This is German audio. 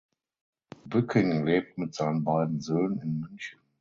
Bücking lebt mit seinen beiden Söhnen in München.